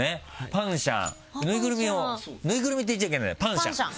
パンシャンぬいぐるみを「ぬいぐるみ」って言っちゃいけないパンシャン。